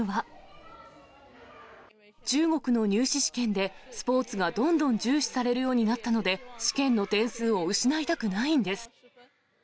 中国の入試試験でスポーツがどんどん重視されるようになったので、試験の点数を失いたくないんです。